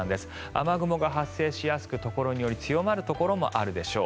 雨雲が発生しやすくところにより強まるところもあるでしょう。